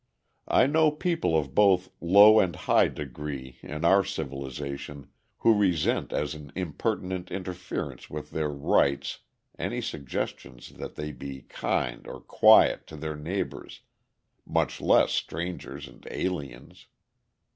I know people of both "low and high degree" in our civilization who resent as an impertinent interference with their "rights" any suggestions that they be kind or quiet to their neighbors, much less strangers and aliens.